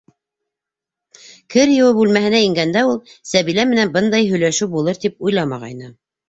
Кер йыуыу бүлмәһенә ингәндә ул Сәбилә менән бындай һөйләшеү булыр тип тә уйламағайны.